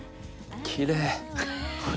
きれい！